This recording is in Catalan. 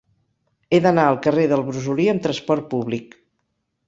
He d'anar al carrer del Brosolí amb trasport públic.